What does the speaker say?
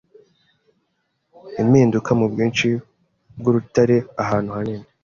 Impinduka mubwinshi bwurutare ahantu hanini